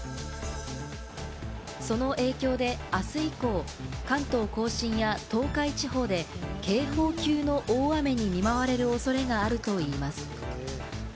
その影響であす以降、関東甲信や東海地方で警報級の大雨に見舞われる恐れがあるといいます。